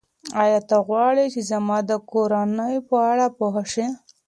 ایا ته غواړې چې زما د کورنۍ په اړه پوه شې؟